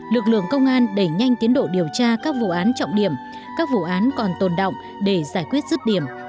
lực lượng công an đẩy nhanh tiến độ điều tra các vụ án trọng điểm các vụ án còn tồn động để giải quyết rứt điểm